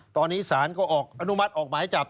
ตอนนี้สารก็ออกอนุมัติออกหมายจับ